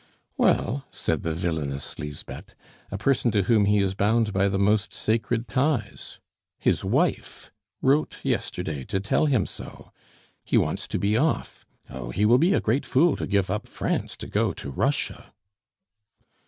"Well," said the villainous Lisbeth, "a person to whom he is bound by the most sacred ties his wife wrote yesterday to tell him so. He wants to be off. Oh, he will be a great fool to give up France to go to Russia!